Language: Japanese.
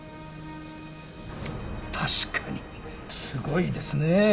確かにすごいですねぇ。